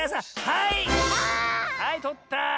はいとった。